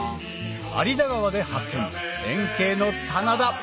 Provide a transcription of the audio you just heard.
有田川で発見円形の棚田